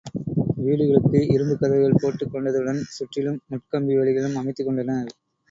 வீடுகளுக்கு இரும்புக் கதவுகள் போட்டுக் கொண்டதுடன் சுற்றிலும் முட்கம்பி வேலிகளும் அமைத்துக் கொண்டனர்.